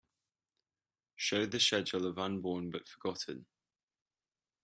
show the schedule of Unborn but Forgotten